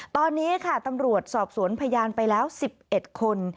ตอนนี้ค่ะตำรวจสอบสวนพยานไปแล้ว๑๑คน